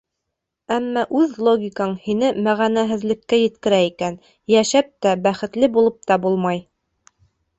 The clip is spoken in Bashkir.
Әммә үҙ логикаң һине мәғәнәһеҙлеккә еткерә икән, йәшәп тә, бәхетле булып та булмай.